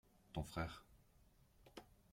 ton frère.